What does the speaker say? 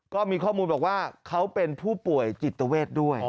ก็มีข้อมูลบอกว่าเขาเป็นผู้ป่วยจิตเวทด้วย